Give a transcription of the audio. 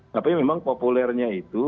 tapi memang populernya itu